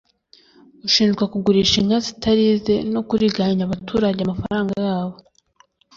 ushinjwa kugurisha inka zitari ize no kuriganya abaturage amafaranga yabo